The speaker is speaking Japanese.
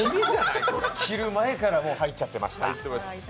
着る前からもう入っちゃってました。